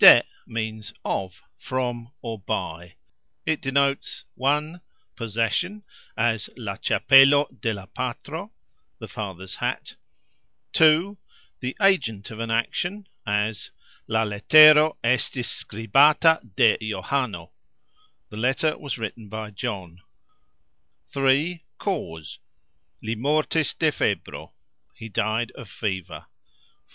"De" means "of", "from", or "by"; it denotes (i.) "possession", as "La cxapelo de la patro", The father's hat; (ii.), "the agent of an action", as "La letero estis skribata de Johano", The letter was written by John; (iii.), "cause, Li mortis de febro", He died of fever; (iv.)